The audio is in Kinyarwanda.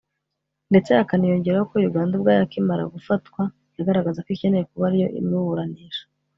ndetse hakaniyongeraho ko Uganda ubwayo akimara gufatwa yagaragazaga ko ikeneye kuba ariyo imuburanisha